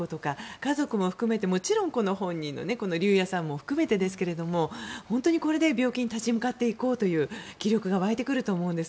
家族も含めて、もちろん龍弥さんも含めてですけども本当にこれで病気に立ち向かっていこうという気力が湧いてくると思うんです。